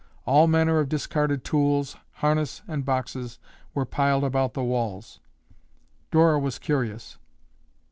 All manner of discarded tools, harness and boxes were piled about the walls. Dora was curious.